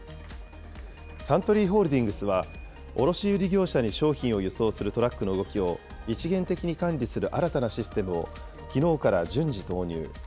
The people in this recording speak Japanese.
サントリーホールディングスは、卸売業者に商品を輸送するトラックの動きを、一元的に管理する新たなシステムをきのうから順次導入。